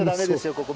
ここ。